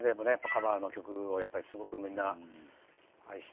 カバーの曲をやっぱりすごくみんな愛して。